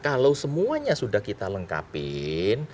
kalau semuanya sudah kita lengkapin